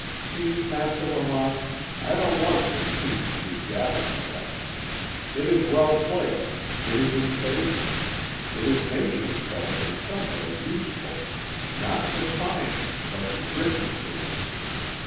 See, Master Lamont, I don't want this peach to be gathered yet. It is well placed, it is in favour; it is making itself in some way useful, not to finer, but to richer fruit.